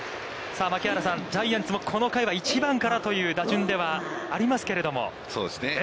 さあ槙原さん、ジャイアンツもこの回は１番からという打順ではありますけれども。